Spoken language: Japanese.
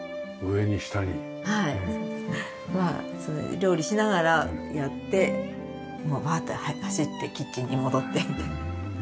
料理しながらやってわーって走ってキッチンに戻ってみたいな。